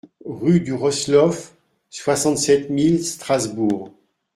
RUE DU ROSSLAUF, soixante-sept mille Strasbourg